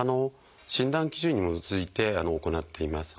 診断基準に基づいて行っています。